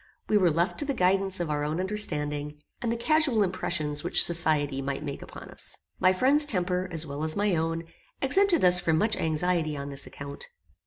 We were left to the guidance of our own understanding, and the casual impressions which society might make upon us. My friend's temper, as well as my own, exempted us from much anxiety on this account.